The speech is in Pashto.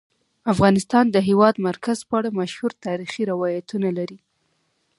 افغانستان د د هېواد مرکز په اړه مشهور تاریخی روایتونه لري.